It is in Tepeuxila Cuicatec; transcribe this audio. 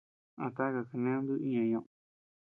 ¿A taka kaned nuku iña ñeʼed?